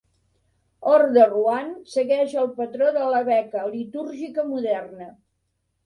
Order One segueix el patró de la beca litúrgica moderna.